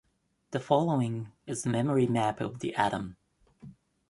The following is the memory map for the Atom.